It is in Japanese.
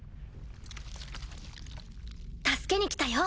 助けに来たよ